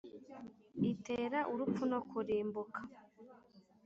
itera urupfu no kurimbuka.